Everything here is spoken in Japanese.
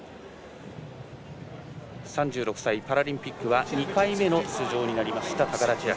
３６歳、パラリンピックは２回目の出場になった高田千明。